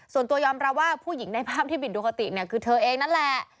ส่วนตัวยอมรับว่าผู้หญิงในภาพที่บิดดูคติเนี่ยคือเธอเองนั่นแหละ